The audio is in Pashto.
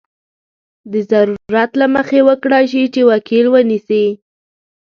د ضرورت له مخې وکړای شي چې وکیل ونیسي.